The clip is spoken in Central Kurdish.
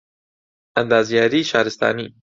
ئەندازیاریی شارستانی